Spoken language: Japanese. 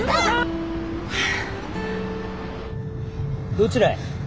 どちらへ？